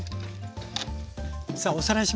さあおさらいしましょう。